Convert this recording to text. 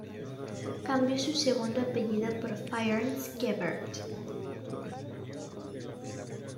Cambió su segundo apellido por Fierens-Gevaert.